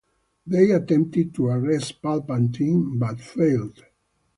They attempted to arrest Palpatine, but failed.